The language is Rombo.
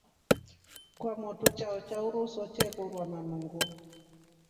Kwamotu chao cha uruso chekorwa na nungu.